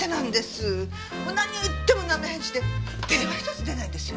もう何を言っても生返事で電話一つ出ないんですよ。